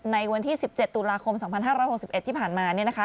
ในวันที่๑๗ตุลาคม๒๕๖๑ที่ผ่านมา